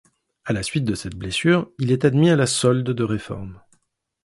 À la suite de cette blessure, il est admis à la solde de réforme.